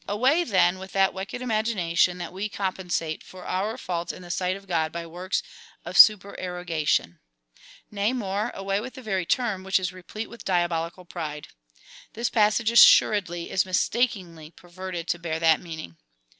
Away, then, with that wicked imagination,^ that we compensate for our faults in the sight of God by works of supererogation !^ Nay more, away with the very term, Avhicli is replete with diabolical pride.^ This passage, assuredly, is mistakingly perverted to bear that meaning.